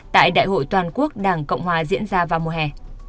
tại đại hội toàn quốc đảng cộng hòa diễn ra vào mùa hè